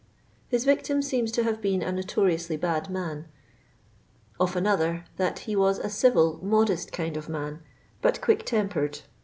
His victim seems to have been a notoriously bad man. Of another, that "he was a civil, modest kind of man, but quick tempered."